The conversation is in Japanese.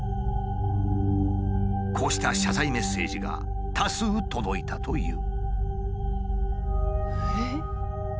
こうした謝罪メッセージが多数届いたという。